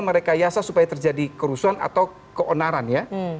merekayasa supaya terjadi kerusuhan atau keonaran ya